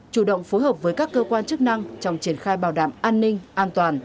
chủ động phối hợp với các cơ quan chức năng trong triển khai bảo đảm an ninh an toàn